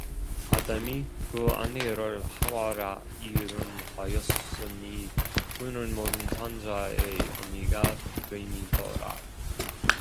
아담이 그 아내를 하와라 이름하였으니 그는 모든 산 자의 어미가 됨이더라